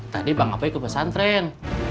tadi bang apa ikut pesantren